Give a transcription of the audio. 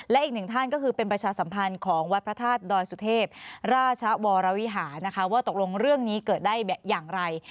และอีกหนึ่งท่านก็คือเป็นประชาสัมพันธ์ของวัดพระธาตุดอยสุเทพราชวรวิหารนะคะว่าตกลงเรื่องนี้เกิดได้อย่างไร